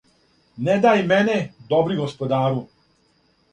"Не дај мене, добри господару,"